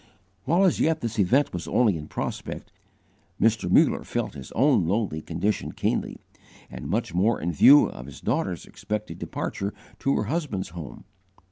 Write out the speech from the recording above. While as yet this event was only in prospect, Mr. Muller felt his own lonely condition keenly, and much more in view of his daughter's expected departure to her husband's home.